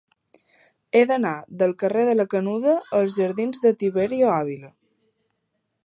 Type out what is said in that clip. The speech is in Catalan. He d'anar del carrer de la Canuda als jardins de Tiberio Ávila.